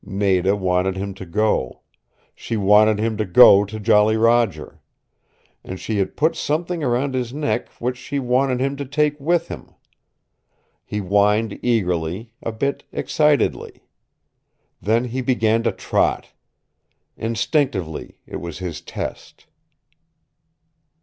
Nada wanted him to go. She wanted him to go to Jolly Roger. And she had put something around his neck which she wanted him to take with him. He whined eagerly, a bit excitedly. Then he began to trot. Instinctively it was his test.